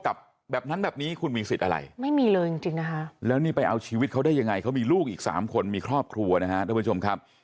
เขามีลูกอีก๓คนมีครอบครัวนะครับทุกผู้ชมครับ